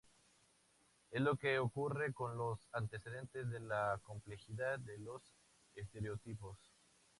Es lo que ocurre con los antecedentes de la complejidad de los estereotipos.